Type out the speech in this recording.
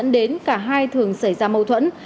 đến cả hai thường xảy ra mâu thuẫn